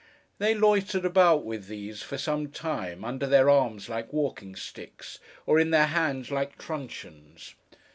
They loitered about with these for some time, under their arms like walking sticks, or in their hands like truncheons.